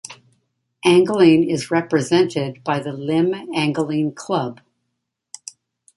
Angling is represented by the Lymm Angling Club.